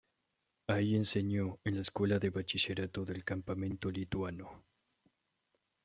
Ahí enseñó en la escuela de bachillerato del campamento lituano.